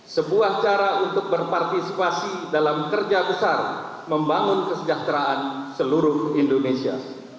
sebuah cara untuk berpartisipasi dalam kerja besar membangun kesejahteraan seluruh indonesia